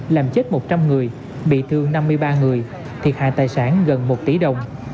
làm chết một trăm linh người bị thương năm mươi ba người thiệt hại tài sản gần một tỷ đồng